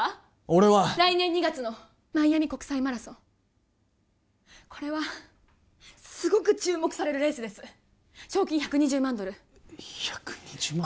俺は来年２月のマイアミ国際マラソンこれはすごく注目されるレースです賞金１２０万ドル１２０万！？